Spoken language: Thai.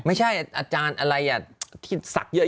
ไม่ใช่อาจารย์อะไรที่สักเยอะ